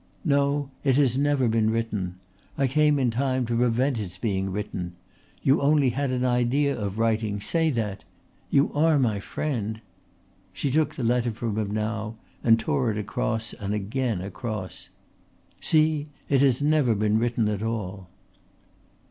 "No, it has never been written. I came in time to prevent its being written. You only had an idea of writing. Say that! You are my friend." She took the letter from him now and tore it across and again across. "See! It has never been written at all."